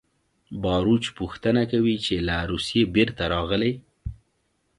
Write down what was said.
باروچ پوښتنه کوي چې له روسیې بېرته راغلې